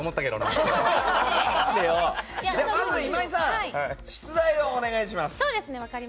それでは、今井さん出題をお願いします。